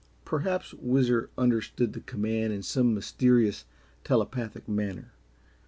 Perhaps Whizzer understood the command in some mysterious, telepathic manner.